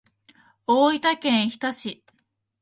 大分県日田市